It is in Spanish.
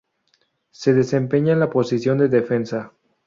Se desempeña en la posición de defensa.